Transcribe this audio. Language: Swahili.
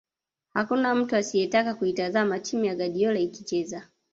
Hakuna mtu asiyetaka kuitazama timu ya Guardiola ikicheza